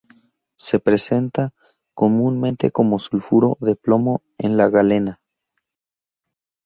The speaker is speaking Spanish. Se presenta comúnmente como sulfuro de plomo en la galena.